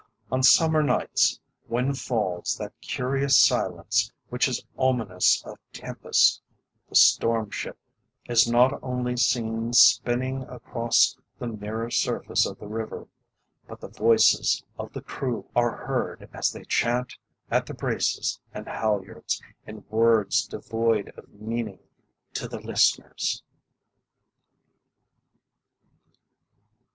On summer nights, when falls that curious silence which is ominous of tempest, the storm ship is not only seen spinning across the mirror surface of the river, but the voices of the crew are heard as they chant at the braces and halyards in words devoid of meaning to the listeners.